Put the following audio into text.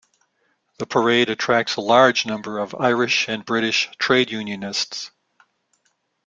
The parade attracts a large number of Irish and British trade unionists.